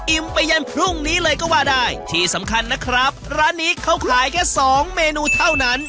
ไปยันพรุ่งนี้เลยก็ว่าได้ที่สำคัญนะครับร้านนี้เขาขายแค่สองเมนูเท่านั้น